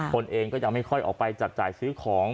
คนเองก็ยังไม่ค่อยออกไปจับจ่ายซื้อของ